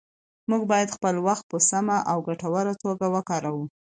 موږ باید خپل وخت په سمه او ګټوره توګه وکاروو